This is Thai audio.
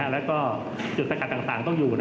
และจุดสกัดต่างต้องอยู่